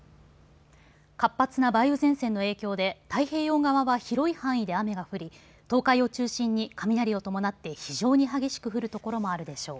活発な梅雨前線の影響で太平洋側は広い範囲で雨が降り東海を中心に雷を伴って非常に激しく降る所もあるでしょう。